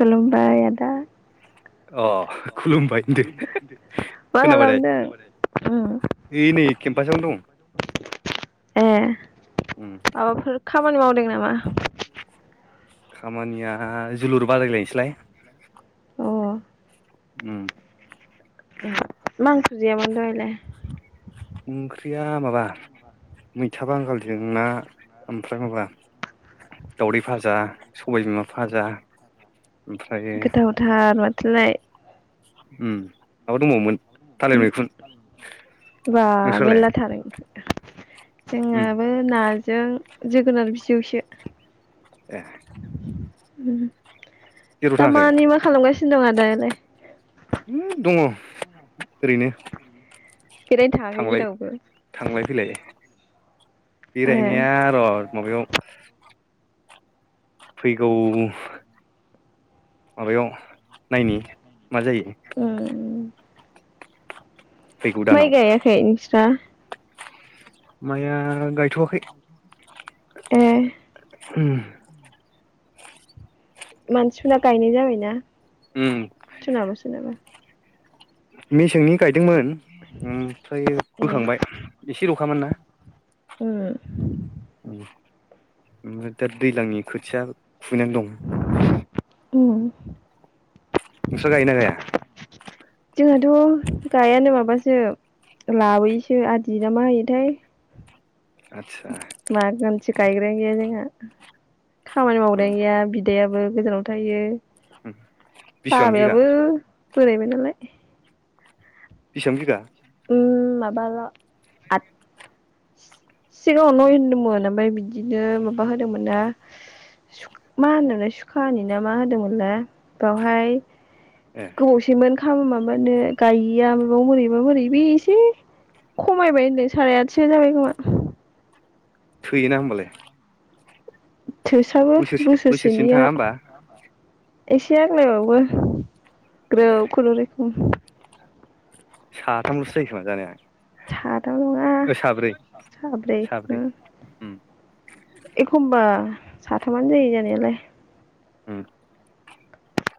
खुलुमबा आदा अ खुलुमबाय होनदो मा खोनाबाथाय खालामदों उम ओइ नै केम्पासावनो दं उम माबाफोर खामानि मावदों नामा खामानिया जोलुर बादायलायनोसैलाय अ उम मा ओंख्रि जायामोन दहायलाय ओंख्रिया माबा मैथा बांगालजों ना ओमफ्राय माबा दावदै भाजा सबाय बिमा फाजा गोथाव थार लाय उम माबा दंबावोमोन थालिर मैखुन बा नोंस्रालाय मेला थार उम जोंहाबो नाजों जोगोनार बिजौसो ए उम। जेराव थाङाखै दामानि मा खालामगासिनो दं आदायालाय? उम दङ ओरैनो। बेरायनो थाङाखै थांलाय जेरावबो थांलाय फैलाय ए बेरायनाया र माबायाव फैगौ माबायाव नायनि मा जायो। उम माइ गायाखै नोंस्रा? माइआ गायथवाखै। ए [inaudible] उम मानसिफोराना गायनाय जाबायना उम सोनाबा सोनाबा। मेसेंनि गाय दोंमोन ओमफ्राय ए बोखांबाय एसे लखामोन ना। उम उम ओमफ्राय दा दैज्लांनि खोथिया खुबैनानै दं। उम। नोंसा गायोना गाया? जोंहाथ' गायानो माबासो लाबोयोसो आदि ना मा होयोथाय। आतसा। माजोन गायग्रायानो गैया जोंहा। खामानि उम मावग्रायानो गैया बिदायाबो गोजानाव थायो। उम बिसेबां बिघा। ओरैनो दोनाय। बिसेबां बिगा? उम माबा ल आठ सिगाङाव नय होनदोंमोन ओमफ्राय बिदिनो माबा होदोंमोन ना मा होनोमलाय सुखा होनानि ना मा होदोंमोनल बावहाय ए गोबाव सैमोन । फां माबानो गायैया माबा बोरैबा बोरै बे एसे खमायबाय होनदों साराय आटसो जाबाय खोमा। थैयोना होमबालाय। थोसाबो बोसोरसे बोसोरसेनो थाङा बोसोरसेनिया। होमबा एसे आग्लाय बावो। ए ग्रोब खुनरै उम। साथाम लसो जायोखोमा जानाया थाम नङा ओ साब्रै साब्रै उम उम एखमबा साथामानो जायो जानायालाय । उम।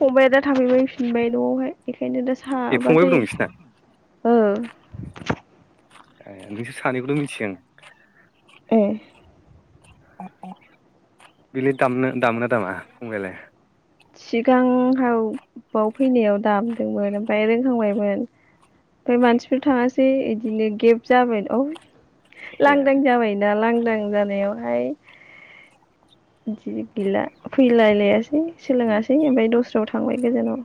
फंबाया दा थाफैबाय फिनबाय न'आवहाय। ओंखायनो दा ए साबा फंबायबो दं जायो नोंसिना । ओ । ए नोंसोर सानैखौल' मिथियो आं। ए। बिलिद दामनो दामना दामा फंबायालाय? सिगांहाव बाव फैनायाव दामदोंमोन ओमफ्राय रोंखांबायमोन ओमफ्राय मानसिफोर थाङासै बिदिनो गेब जाबाय औ। ए लांदां जाबायना लां नों जानायावहाय जि गैला फैलायलायासै । उम सोलोङासै ओमफ्राय दस्रायाव थ थांबाय गोजानाव।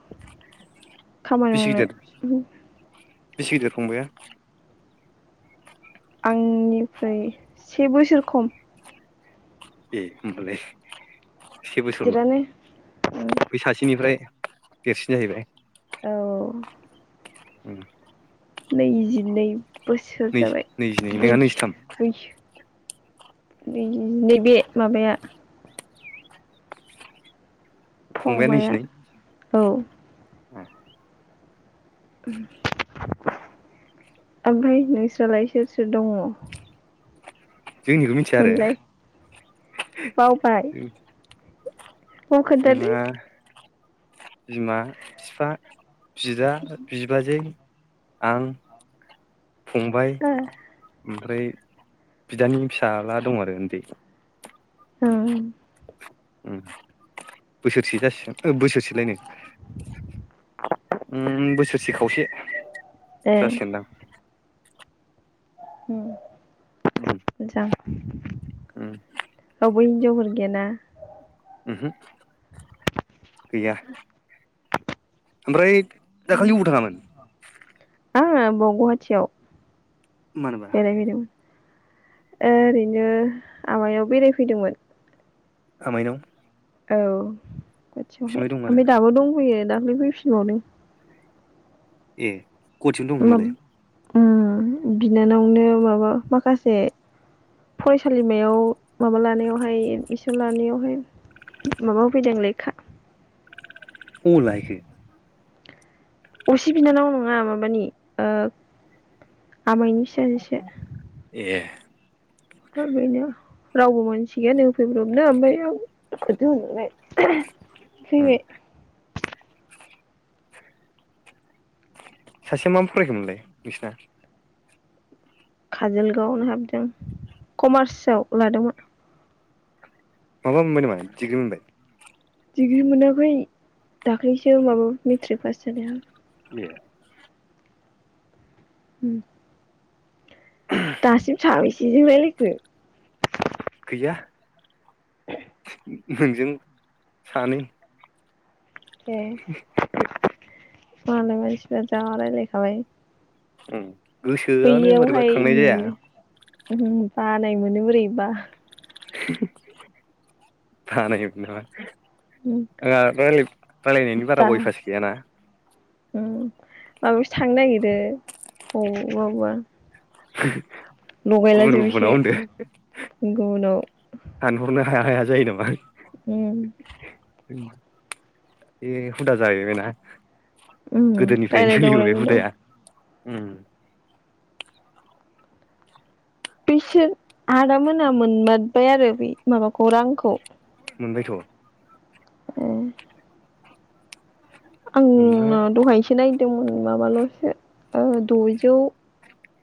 [inaudible] खामानि बेसे गिदिर मावनो बेसे गिदिर [inaudible] आंनिफ्राय से बोसोर खम ए होमबालाय। से बोसोरल' गिदिरानो बै सासेनिफ्राय देरसिन जाहैबाय। औ औ। उम। [unintelligible] नै बोसोर जाबाय नैजिनै नोंहा बैस नैजिथाम बैस नैबे माबाया फंबाया। औ। उम। ओमफाय नोंस्रालाय सोर सोर दङ? जोंनिखौ मिथिया आरो? मोनलाय अ खोन्थादो । जोंहा बिमा फिफा। बिदा बिबाजै आं फंबाय ओ ओमफ्राय बिदानि फिसाला दं आरो उन्दै ओं बोसोरसे जासिगोन बोसोरसेलाय नो बोसोर से खावसे जासिगोन दां उम जां ओहो औ [unintelligible] [unintelligible] गैया ओमफ्राय दाखालि अबाव थांगामोन आ ब गहाटियाव मानोबा बेराय फैदोंमोन ओरैनो आमायाव बेरायफैदोंमोन आामायनाव औ खाथियावहाय आरो ओमफ्राय दाबो दंफैयो दाख्लै फैफिनबावदों ए कचिं दं होमबालाय ओ बिनानावनो माबा माखासे फरायसालिमायाव माबा लानायावहाय एडमिसन लानायावहाय माबा होफैदों लेखा अबाव लााहैखो असि बिनानाव नङा माबानि ओ आमायनि फिसाजो सो अ बेनो रावबो मोनानसि गैया नो होफैब्रबनो ओमफाय आंख आंखो थोनहरबाय ए फैबाय सासेया मा फरायखोममोनलाय बिसना काजोलगावआवनो हाबदों कमार्सआव लादोंमोन । माबा मोनबायनामा डिग्री मोनबाय डिग्री मोनाखै दाख्लैसो माबा मेट्रिक पास जानाय आं ये उम दासिम साबैसेजों रायलायखो गैया नोंजों सानै [inaudible] बालायबायसो जा जा रायलायखाबाय ओम बैयावहाय [inaudible] बा नाय मोनो बोरैबा [unintelligible] आंहा रायलाय रायलायनायनि बारा अयभास गैयाना उम माबायावसो थांनो नागिरो अबा अबा [unintelligible] लगायला गुबुन जोब गुबुनाव एसे गुबुनाव हानहरनो हाया हाया जायो नामा उम [inaudible] बे हुदा जाहैबायना उम गोदोनिफ्रायनो रायलाय दाव सोलिबोबाय रायलाय दाव हुदाया उम बिसोर आदा मोना मोनबारबाय आरो बे माबाखौ रांखौ मोनबायथ' ए आं मोनबाय दहायसो नायनो दोंमोन माबाल'सो ओ द'जौ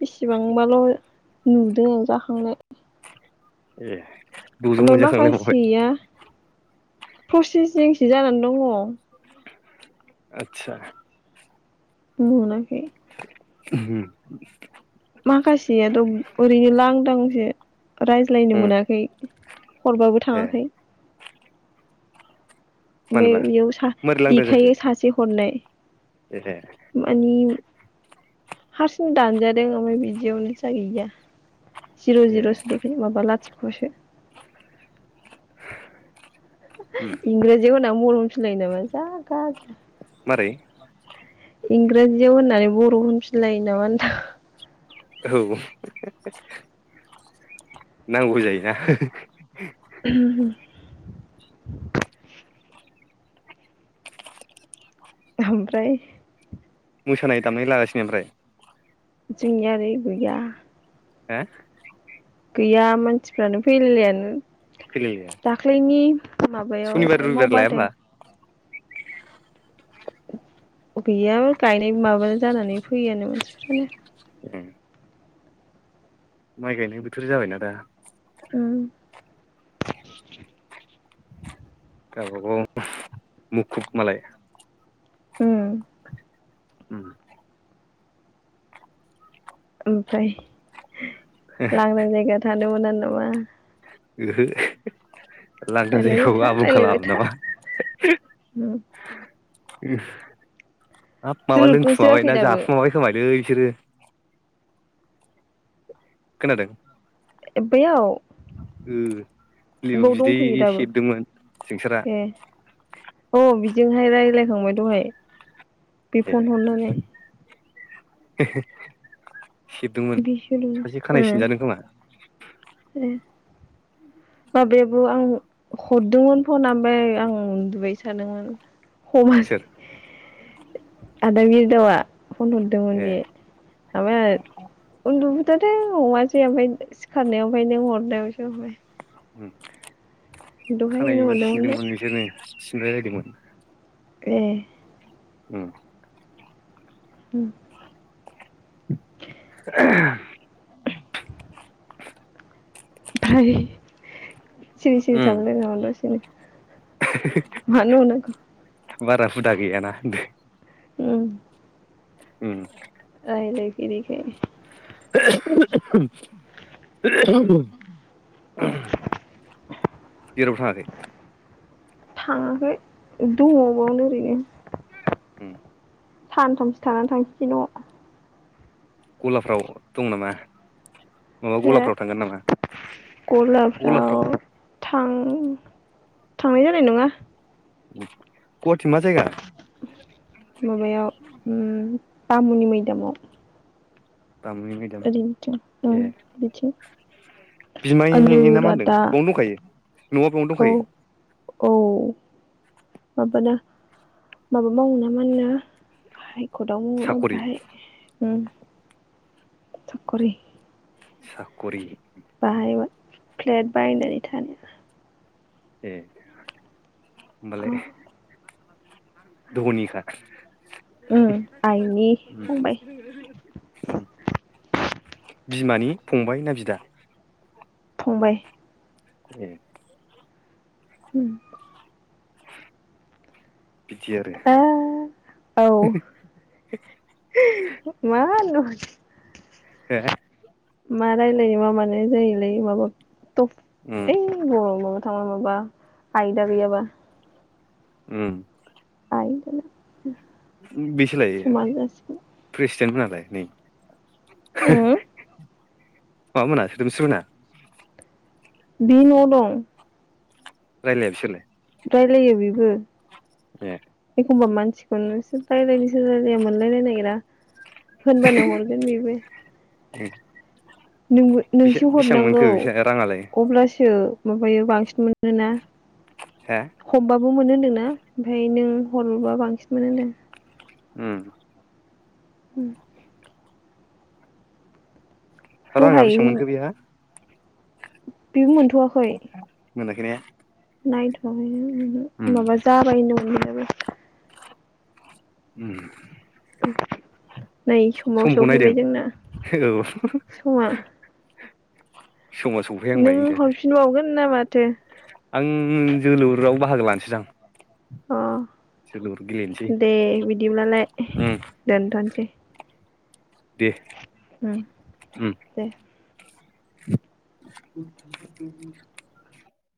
बेसिबांबाल' नुदों आं जाखांनाय ए द'जौ ओमफाय मोनजाखांलायबावबाय माखासेया प्रसिसिंसो जानानै दङ। आतसा मोनाखै होम माखासेयाथ' ओरैनो लांदांसो रायज्लायनो उम मोनाखै हरबाबो ए थाङाखै मानोबा बे-बेयाव सा मारै लांदां जाखो देखायो सासे हरनाय ए मानि हारसिंनो दानजादों ओमफाय बिदियावनो जाहैदिया जिर' ए जिर'सो देखायदों माबा लाथिख' [unintelligible] उम [unintelligible] इंराजियाव होना [unintelligible] नामा जा गाजि मारै? इंराजियाव होननानै बर' होनफिनलायो नामा होनदां? औ नांगौ जायोना। [unintelligible] [unintelligible] ओमफ्राय मोसानाय दामनाय लागासिनो ओमफ्राय जोंनिया ओरै गैया। हो गैया मानसिफ्रानो फैलायलायानो। फैलायलाया दाख्लैनि सनिबार माबायावहाय रबिबार लाया होमबा मावबादायाव अ बेयो गायनाय माबानो जानानै फैयानो मानसिफोरा। [unintelligible] उम माइ गायनाय बोथोर जाबायना दा उम [inaudible] गावबा गाव मुखुब मालाय। उम उम ओमफ्राय लांदां जायगा थान नंगौ ना नङा [inaudible] [unintelligible] लांदां रायलायबाय जायगाखौ था आबुं रायलायबाय खालाम था नामा? उम [unintelligible] [inaudible] हाब माबा जोलुरखौ लोंखुमाबाय जोआखै ना दाबो जाफुमाबाय खोमालै। सोरो खोनादों? ए बैयाव ओ लेबु बाव दंफैयो बिदै दाबो सेबदोंमोन जोंसारा ए औ बिजोंहाय रायलाय थांबाय दहाय बिफन हरनानै [inaudible] सेरदोंमोन बिसोरनो सासे खानाय ओ सिनजानो खोमा। [inaudible] [inaudible] माबायाबो आं हरदोंमोन फन ओमफ्राय आं उन्दुबाय थादोंमोन। सम सोर आदा बिरदावा फन हरदोंमोन ए बे ओमाया उन्दु [inaudible] दे अमासै ओमफ्राय सिखारनायावाय नों हरनायावसो माय [unintelligible] [unintelligible] खानाय हरदोंमोन बे सिनदोंमोन बिसोरनो। [unintelligible] ए। उम। उम। [inaudible] बाय सिरि सिरि थागु उम लायो नामा दसेनो मान होनबाव नांगौ? बारा हुदा गैयाना होनदो। उम। उम रायलाय फेरिखाय जेरावबो थाङाखै? थाङाखै दङ' बावनो ओरैनो। उम। सानथामसो थानानै थांसिसै न'। गलाफ्राव दं नामा? माबा हो? गलाफ्राव थांगोन नामा गलाफोराव था गलाफ्राव थां थांनाय जानाय नङा । [inaudible] जायगा माबायाव उम बामुनि मैदामाव । बामुनि मैदाम उम ए बिथिं आलु बिमायनि ना मा होनदों रादा बेयावनो दंखायो न'आ बेयावनो औ दंखायो? औ माबाना माबा मावो मा होनो गाहाय खदावबो मोनो साखरि बाहाय उम । साखरि । साखरि । बाहायमोन फ्लेट बायनानै थानाया ए । ओमबालाय धनिखा । उम आइनि फंबाय । बिमानि फंबाय ना बिदा? फंबाय । ए । उम । [inaudible] बिदि आरो । आ औ मा [inaudible] हो? मा रायलायनो मा मानो जायोलै माबा उम [unintelligible] ताउनावबा आयदा गैयाबा उम ‌‌। [unintelligible] बेसे लायो समान जासिगोन प्रेसिडेन्टफोरालाय? नै उम [inaudible] मामोना सोदोमस्रिमोना बि न'वाव दं ‌। रायलाया बिसोरलाय रायलायो बिबो । ए । हौवा मानसिखौनो सों [unintelligible] मोनलायलायनो नागिरा होनबानो हरगोन बेबो । [inaudible] नोंबो नोंसो बेसेबां मोनखो हरनांगौ बिसोर राङालाय अब्लासो माबायो बांसिन मोनोना । हे बबो मोनो होन्दोंना ओमफ्राय नों हरबा बांसिन मोनो होनदों । उम । उम । राङा बेसेबां मोनखो बेहा? बि मोनथवाखै ‌। मोनाखैने? नाइथवाखैनो ‌ माबा जाबाय ओनदोंमोन [unintelligible] उम ‌। नै समाव सफैबाय जोंना औ समा समाव सौफै नों आंबायनो दे हरफिनबावगोन ना माथो आं जोलुराव बाहागो लानोसैजां अ दे बिदिब्लालाय उम दोनथ'सै । दे । उम दे ‌। [inaudible] [inaudible]